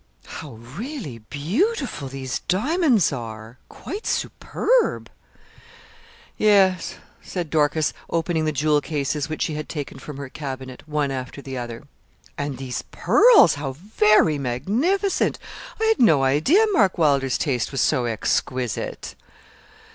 'How really beautiful these diamonds are! quite superb.' 'Yes,' said Dorcas, opening the jewel cases, which she had taken from her cabinet, one after the other. 'And these pearls! how very magnificent! I had no idea Mark Wylder's taste was so exquisite.'